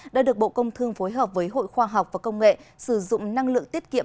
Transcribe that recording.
đã được bộ công thương phối hợp với hội khoa học và công nghệ sử dụng năng lượng tiết kiệm